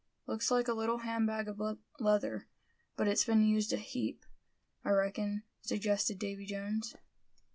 "Looks like a little hand bag of leather; but it's been used a heap, I reckon," suggested Davy Jones.